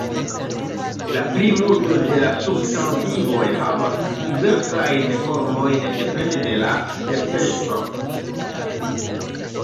La plimulto de la substantivoj havas diversajn formojn, depende de la "certeco".